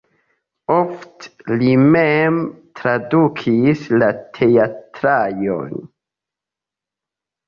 Ofte li mem tradukis la teatraĵojn.